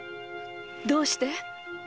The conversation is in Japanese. どうして？